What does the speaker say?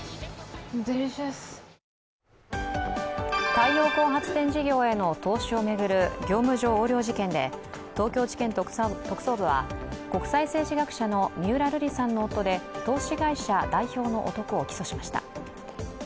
太陽光発電事業への投資を巡る業務上横領事件で東京地検特捜部は国際政治学者の三浦瑠麗さんの夫で投資会社代表の男を起訴しました。